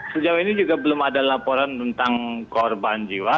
sejauh ini juga belum ada laporan tentang korban jiwa